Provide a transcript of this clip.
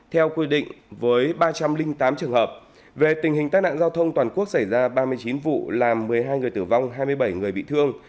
theo quy định với ba trăm linh tám trường hợp về tình hình tai nạn giao thông toàn quốc xảy ra ba mươi chín vụ làm một mươi hai người tử vong hai mươi bảy người bị thương